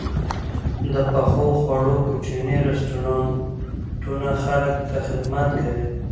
د پخو خوړو کوچني رستورانتونه خلکو ته خدمت کوي.